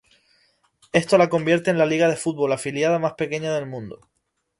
Esto la convierte en la liga de fútbol afiliada más pequeña del mundo.